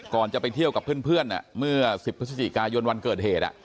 ก่อนจะไปเที่ยวกับเพื่อนเมื่อ๑๐พฤศจิกายนวันเกิดเหตุ